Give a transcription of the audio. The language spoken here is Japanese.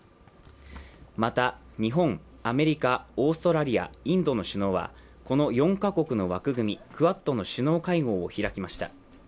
また日本、アメリカ、オーストラリア、インドの首脳はこの４か国の枠組みクアッドの首脳会合を開きました。